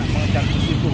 mengejar ke situ